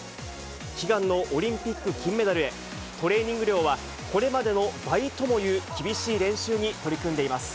悲願のオリンピック金メダルへ、トレーニング量は、これまでの倍ともいう厳しい練習に取り組んでいます。